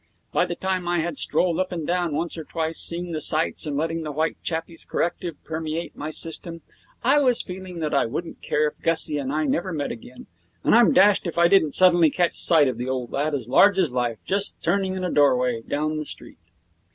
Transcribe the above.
By the time I had strolled up and down once or twice, seeing the sights and letting the white chappie's corrective permeate my system, I was feeling that I wouldn't care if Gussie and I never met again, and I'm dashed if I didn't suddenly catch sight of the old lad, as large as life, just turning in at a doorway down the street.